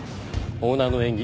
オーナーの演技